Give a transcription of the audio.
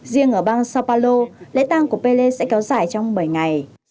riêng ở bang sao paulo lễ tăng của pele sẽ kéo dài trong bảy ngày